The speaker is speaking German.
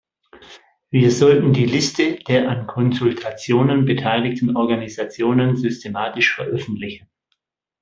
Wir sollten die Liste der an Konsultationen beteiligten Organisationen systematisch veröffentlichen.